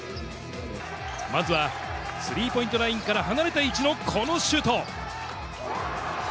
まずはスリーポイントラインから離れた位置のこのシュート。